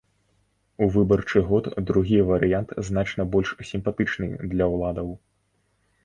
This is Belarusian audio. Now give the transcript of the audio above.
У выбарчы год другі варыянт значна больш сімпатычны для ўладаў.